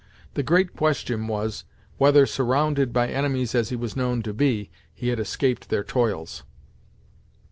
The great question was, whether, surrounded by enemies as he was known to be, he had escaped their toils.